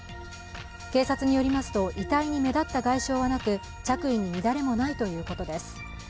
警察によりますと、遺体に目立った外傷はなく、着衣に乱れもないということです。